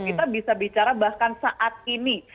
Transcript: kita bisa bicara bahkan saat ini